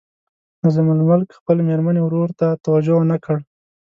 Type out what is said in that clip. نظام الملک خپل میرني ورور ته توجه ونه کړه.